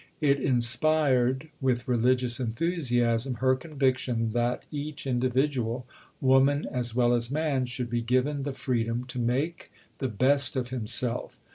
It inspired with religious enthusiasm her conviction that each individual woman as well as man should be given the freedom to make the best of himself.